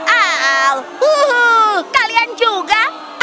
al kalian juga